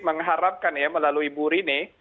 mengharapkan ya melalui buri ini